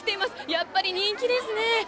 やっぱり人気ですね。